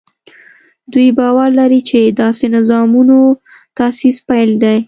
دوی باور لري چې داسې نظامونو تاسیس پیل دی.